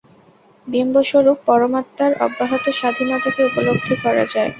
বিম্ব-স্বরূপ পরমাত্মার অব্যাহত স্বাধীনতাকে উপলব্ধি করা যায়।